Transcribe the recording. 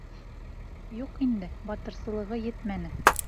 Юҡ инде, батырсылығы етмәне.